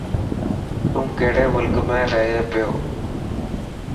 تو ڪهڙي ملڪ ۾ رهي و.